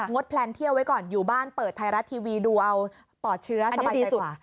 ดแพลนเที่ยวไว้ก่อนอยู่บ้านเปิดไทยรัฐทีวีดูเอาปอดเชื้อสบายสุด